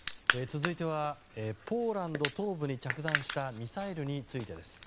続いてはポーランド東部に着弾したミサイルについてです。